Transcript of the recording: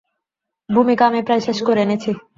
ভূমিকা আমি প্রায় শেষ করে এনেছি।